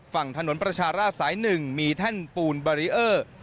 ฝั่งถนนประชาราชสาย๑มีแท่นปูนบารีเออร์